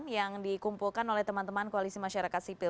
yang dikumpulkan oleh teman teman koalisi masyarakat sipil